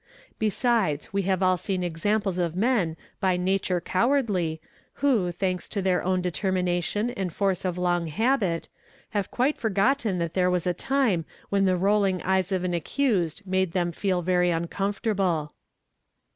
Besides we have all seen examples of men by nature cowardly who, thanks to their own determination and force of long habit, have quite forgotten that there was a time when the rolling " eyes of an accused' made them feel very uncomfortable.